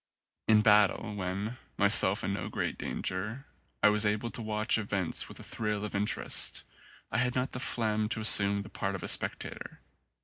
In battle, when, myself in no great danger, I was able to watch events with a thrill of in terest, I had not the phlegm to assume the part of a spectator.